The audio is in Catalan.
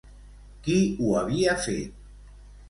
Qui ho havia fet?